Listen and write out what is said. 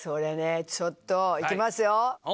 ちょっと行きますよ。